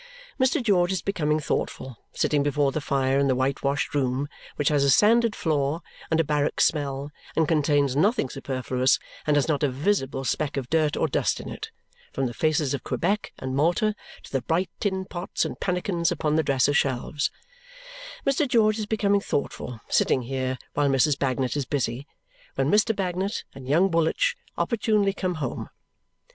Mr. George is becoming thoughtful, sitting before the fire in the whitewashed room, which has a sanded floor and a barrack smell and contains nothing superfluous and has not a visible speck of dirt or dust in it, from the faces of Quebec and Malta to the bright tin pots and pannikins upon the dresser shelves Mr. George is becoming thoughtful, sitting here while Mrs. Bagnet is busy, when Mr. Bagnet and young Woolwich opportunely come home.